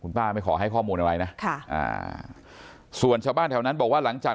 ป้าไม่ขอให้ข้อมูลอะไรนะค่ะอ่าส่วนชาวบ้านแถวนั้นบอกว่าหลังจาก